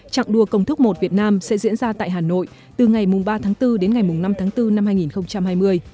trạng đua công thức một việt nam sẽ diễn ra tại hà nội từ ngày ba tháng bốn đến ngày năm tháng bốn năm hai nghìn hai mươi